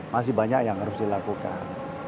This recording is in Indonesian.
masih banyak yang harus dilakukan